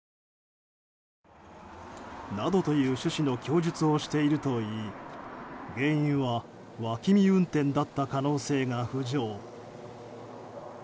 などという趣旨の供述をしているといい原因は脇見運転だった可能性が浮上。